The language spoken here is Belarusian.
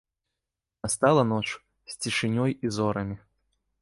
Настала ноч, з цішынёй і зорамі.